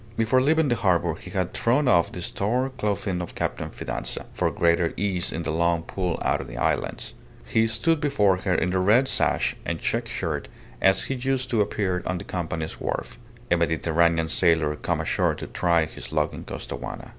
Before leaving the harbour he had thrown off the store clothing of Captain Fidanza, for greater ease in the long pull out to the islands. He stood before her in the red sash and check shirt as he used to appear on the Company's wharf a Mediterranean sailor come ashore to try his luck in Costaguana.